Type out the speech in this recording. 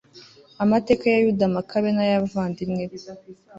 amateka ya yuda makabe n'ay'abavandimwe be